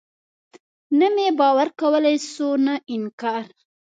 نه مې باور کولاى سو نه انکار.